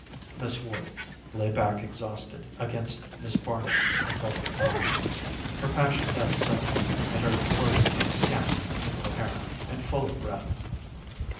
Miss Worte lay back exhausted against Miss Barnet's engulfing arms. Her passion ebbed suddenly and her words came scant, incoherent, and full of breath.